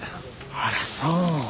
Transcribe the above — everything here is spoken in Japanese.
あらそう。